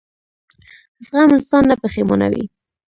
زغم انسان نه پښېمانوي.